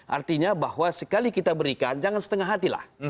artinya bahwa sekali kita berikan jangan setengah hati lah